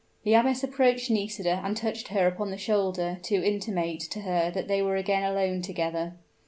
The abbess approached Nisida, and touched her upon the shoulder to intimate to her that they were again alone together.